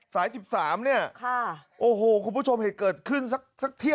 สาย๑๓เนี่ย